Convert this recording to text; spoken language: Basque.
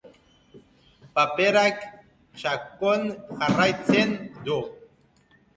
Paperak txukun jarraitzen du.